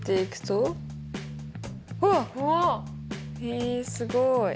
へえすごい。